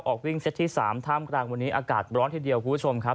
ออกวิ่งเซตที่๓ท่ามกลางวันนี้อากาศร้อนทีเดียวคุณผู้ชมครับ